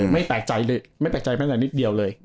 ไม่แปลกใจเลยไม่แปลกใจแม้แต่นิดเดียวเลย